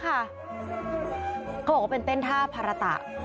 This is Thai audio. เขาบอกเป็นเต้นท่าพรตะ